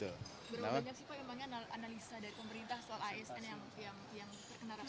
berapa banyak sih pak analisa dari pemerintah soal asn yang